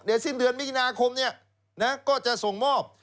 เดี๋ยวสิ้นเดือนมีธินาคมเนี่ยก็จะส่งมอบ